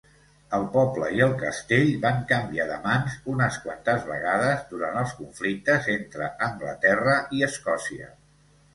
El poble i el castell van canviar de mans unes quantes vegades durant els conflictes entre Anglaterra i Escòcia.